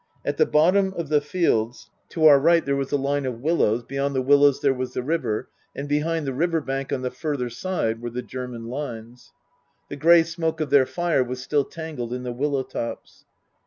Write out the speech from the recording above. At the bottom of the fields to our 20* 308 Tasker Jevons right there was a line of willows, beyond the willows there was the river, and behind the river bank, on the further side, were the German lines. The grey smoke of their fire was still tangled in the willow tops.